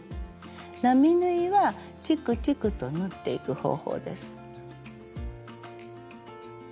並縫いはチクチクと縫っていく方法です。